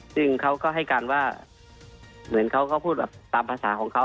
ซึ่งเขาก็ให้การว่าเหมือนเขาก็พูดแบบตามภาษาของเขา